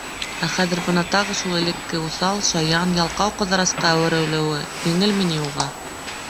Ә хәҙер бына тағы шул элекке, уҫал, шаян, ялҡау Ҡыҙырасҡа әүерелеүе еңелме ни уға?!